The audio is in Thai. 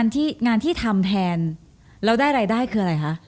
งานที่ทำแทนแล้วได้รายได้คืออะไรคะ